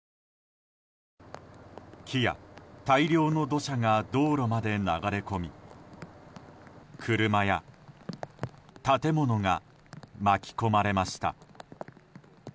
木や大量の土砂が道路まで流れ込み車や、建物が巻き込まれました。